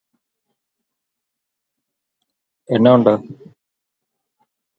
She is the aunt of Dakota and Elle Fanning.